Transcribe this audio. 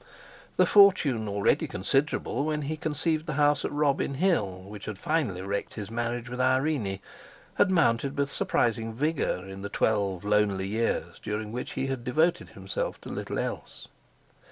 The fortune already considerable when he conceived the house at Robin Hill which had finally wrecked his marriage with Irene, had mounted with surprising vigour in the twelve lonely years during which he had devoted himself to little else.